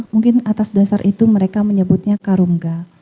mungkin atas dasar itu mereka menyebutnya karungga